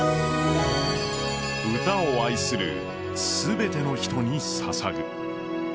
歌を愛する全ての人に捧ぐ。